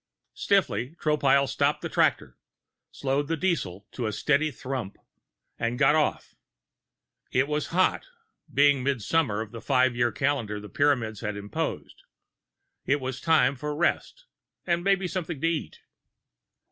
Stiffly, Tropile stopped the tractor, slowed the diesel to a steady thrum and got off. It was hot being midsummer of the five year calendar the Pyramids had imposed. It was time for rest and maybe something to eat.